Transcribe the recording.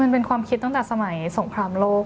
มันเป็นความคิดตั้งแต่สมัยสงครามโลก